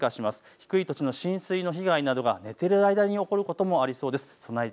低い土地の浸水の被害などが寝ている間に起こることもありそうです。